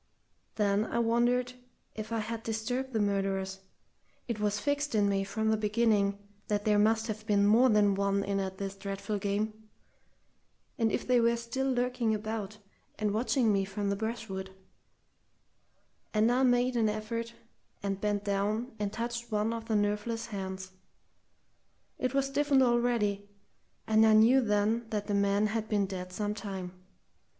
Then I wondered if I had disturbed the murderers it was fixed in me from the beginning that there must have been more than one in at this dreadful game and if they were still lurking about and watching me from the brushwood; and I made an effort, and bent down and touched one of the nerveless hands. It was stiffened already, and I knew then that the man had been dead some time.